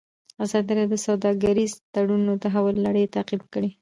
ازادي راډیو د سوداګریز تړونونه د تحول لړۍ تعقیب کړې.